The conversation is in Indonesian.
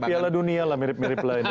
sesuai piala dunia lah mirip mirip lah ini ya